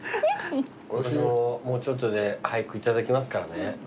もうちょっとで俳句頂きますからね。